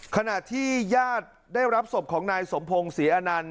ขณะที่ญาติได้รับศพของนายสมพงศรีอนันต์